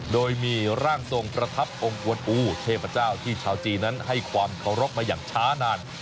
โดยมีร่างทรงประทับองค์กวนอูเทพเจ้าที่ชาวจีนนั้นให้ความเคารพมาอย่างช้านาน